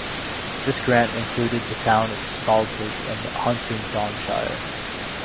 This grant included the town of Spaldwick in Huntingdonshire.